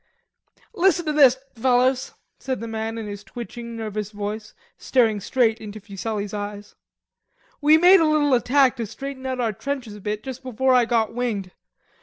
" "Listen to this, fellers," said the man in his twitching nervous voice, staring straight into Fuselli's eyes. "We made a little attack to straighten out our trenches a bit just before I got winged.